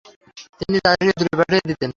তিনি তাদেরকে দূরে পাঠিয়ে দিতেন।